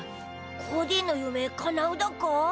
コーディのゆめかなうだか？